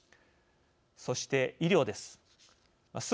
そして医療です。